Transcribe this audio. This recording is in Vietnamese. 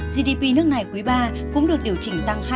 gdp nước này quý ba cũng được điều chỉnh tăng hai